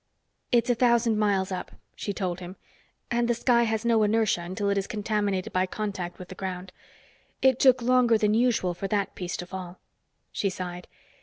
"It's a thousand miles up," she told him. "And sky has no inertia until it is contaminated by contact with the ground. It took longer than usual for that piece to fall." She sighed.